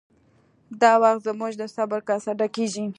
دا وخت زموږ د صبر کاسه ډکیږي